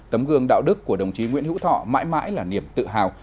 tấm gương đạo đức của đồng chí nguyễn hữu thọ mãi mãi là niềm tự hào